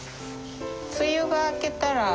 梅雨が明けたら。